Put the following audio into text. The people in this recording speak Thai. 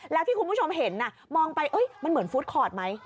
แล้วที่คุณผู้ชมเห็นมองไปมันเหมือนฟู้ดคอร์ดไหม